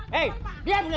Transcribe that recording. pak tenang aja pak